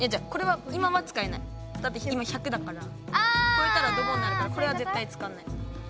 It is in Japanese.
こえたらドボンになるからこれはぜったいつかわない。